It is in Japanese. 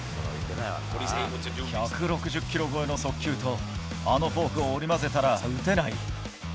１６０キロ超えの速球とあのフォークを織り交ぜたら打てない。